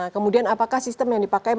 kemudian apakah sistem yang dipakai